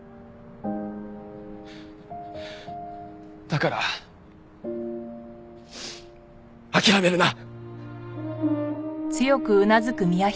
だから諦めるな！